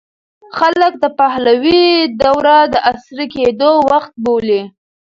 خلک د پهلوي دوره د عصري کېدو وخت بولي.